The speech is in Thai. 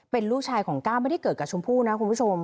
เป็นลูกชายของก้าวไม่ได้เกิดกับชมพู่นะคุณผู้ชม